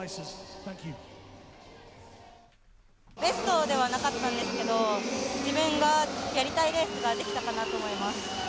ベストではなかったんですけど自分がやりたいレースができたかなと思います。